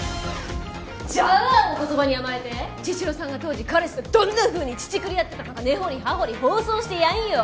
じゃあお言葉に甘えて茅代さんが当時彼氏とどんなふうに乳繰り合ってたのか根掘り葉掘り放送してやんよ！